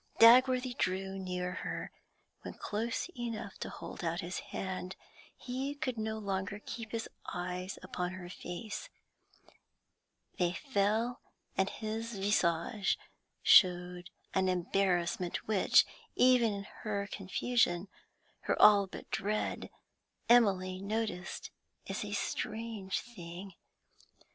Dagworthy drew near to her; when close enough to hold out his hand, he could no longer keep his eyes upon her face; they fell, and his visage showed an embarrassment which, even in her confusion her all but dread Emily noticed as a strange thing.